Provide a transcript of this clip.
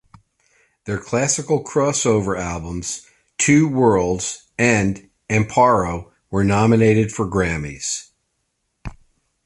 Their classical crossover albums, "Two Worlds" and "Amparo", were nominated for Grammys.